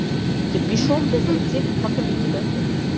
Ќе пишувам без рецепт, па ќе видиме.